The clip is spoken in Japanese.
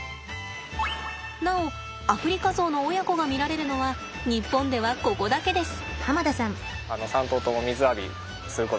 なおアフリカゾウの親子が見られるのは日本ではここだけです。